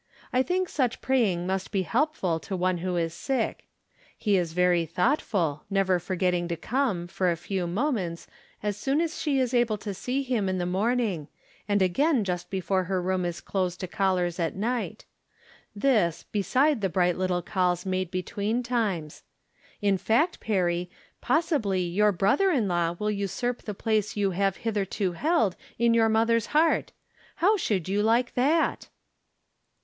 I think such praying must be helpful to one who is sick. He is very thoughtful, never forgetting to come, for a few moments, as soon as she is able to see him in the morning, and again just before her room is closed to callers at night ; this, beside the bright little calls made between times. In fact, Perry, possibly your brother in law will usurp the place you have hitherto held in your mother's heart. How should you like that